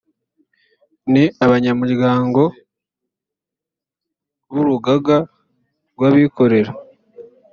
ni abanyamuryango b’urugaga rw’abikorera